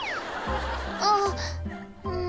ああうーん。